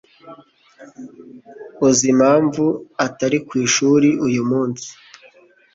Uzi impamvu atari ku ishuri uyu munsi?